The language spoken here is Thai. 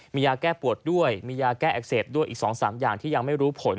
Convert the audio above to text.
มียาแก้ปวดด้วยมียาแก้อักเสบด้วยอีก๒๓อย่างที่ยังไม่รู้ผล